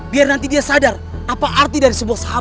biar nanti dia sadar apa arti dari sebuah sahabat